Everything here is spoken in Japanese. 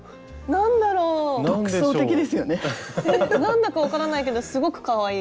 何だか分からないけどすごくかわいい。